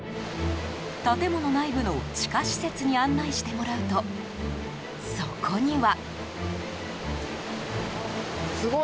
建物内部の地下施設に案内してもらうと、そこには。